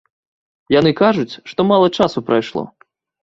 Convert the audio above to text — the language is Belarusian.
Яны кажуць, што мала часу прайшло.